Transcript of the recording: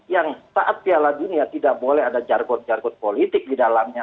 yang saat piala dunia tidak boleh ada jargon jargon politik di dalamnya